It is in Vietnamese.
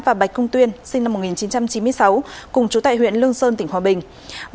và bạch công tuyên sinh năm một nghìn chín trăm chín mươi sáu cùng chú tại huyện lương sơn tỉnh hòa bình